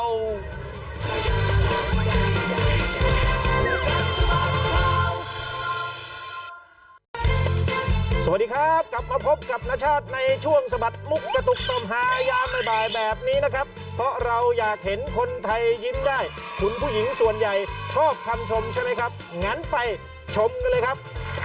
สวัสดีครับกลับมาพบกับนชาติในช่วงสะบัดมุกกระตุกต้มหายามบ่ายแบบนี้นะครับเพราะเราอยากเห็นคนไทยยิ้มได้คุณผู้หญิงส่วนใหญ่ชอบคำชมใช่ไหมครับงั้นไปชมกันเลยครับ